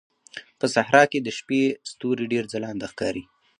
په صحراء کې د شپې ستوري ډېر ځلانده ښکاري.